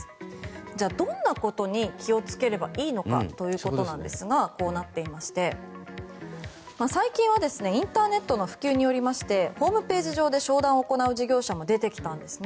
じゃあどんなことに気をつければいいのかということなんですがこうなっていまして最近はインターネットの普及によりましてホームページ上で商談を行う事業者も出てきたんですね。